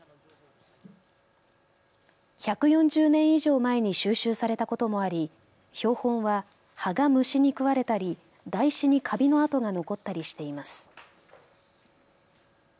１４０年以上前に収集されたこともあり標本は葉が虫に食われたり台紙にかびの跡が残ったりしています。